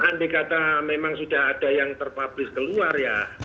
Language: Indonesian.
andai kata memang sudah ada yang terpublish keluar ya